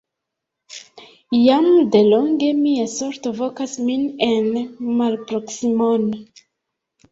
Jam de longe mia sorto vokas min en malproksimon!